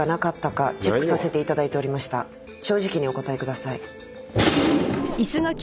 正直にお答えください。